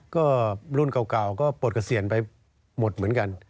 ก็รุ่นเก่าก็ปลดเกษียณไปหมดเหมือนกัน